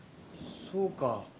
そうか。